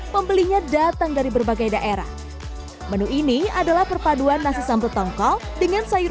pembelinya datang dari berbagai daerah menu ini adalah perpaduan nasi sambal tongkol dengan sayur